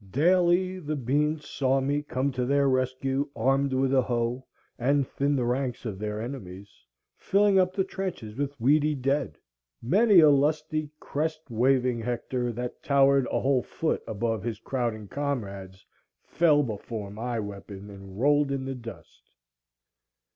Daily the beans saw me come to their rescue armed with a hoe, and thin the ranks of their enemies, filling up the trenches with weedy dead. Many a lusty crest waving Hector, that towered a whole foot above his crowding comrades, fell before my weapon and rolled in the dust.